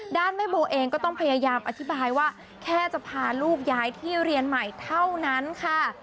แม่โบเองก็ต้องพยายามอธิบายว่าแค่จะพาลูกย้ายที่เรียนใหม่เท่านั้นค่ะ